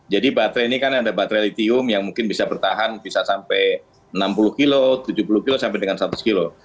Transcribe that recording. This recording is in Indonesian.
jadi baterai ini kan ada baterai litium yang mungkin bisa bertahan bisa sampai enam puluh kilo tujuh puluh kilo sampai dengan seratus kilo